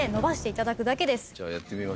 じゃあやってみましょう。